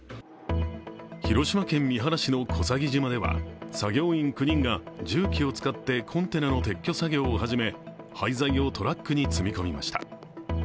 広島県三原市の小佐木島では作業員９人が重機を使ってコンテナの撤去作業を始め、廃材をトラックに詰め込みました。